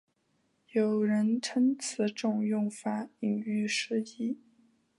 有人称此种用法引喻失义。